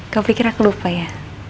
kau pikir aku lupa ya